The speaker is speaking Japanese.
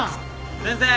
先生